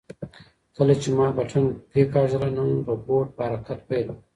کله چې ما بټن کېکاږله نو روبوټ په حرکت پیل وکړ.